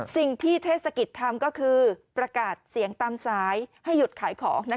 เทศกิจทำก็คือประกาศเสียงตามซ้ายให้หยุดขายของ